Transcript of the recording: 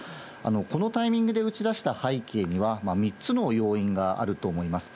このタイミングで打ち出した背景には、３つの要因があると思います。